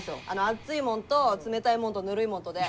熱いもんと冷たいもんとぬるいもんとで。